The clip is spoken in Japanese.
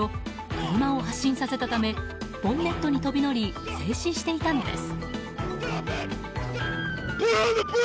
車を発進させたためボンネットに飛び乗り制止させていたのです。